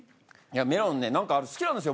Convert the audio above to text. メロンね何か好きなんですよ